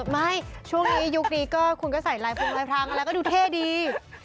ไม่ช่วงนี้ยุคนี้ก็คุณก็ใส่ลายพงลายพรางอะไรก็ดูเท่ดี